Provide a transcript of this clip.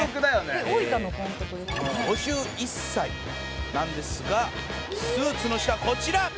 「えっ大分の監督」「５１歳なんですがスーツの下こちら！」